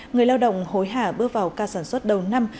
người lao động hối hả bước vào ca sản xuất đầu năm